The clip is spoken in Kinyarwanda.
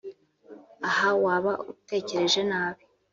Aha waba utekereje nabi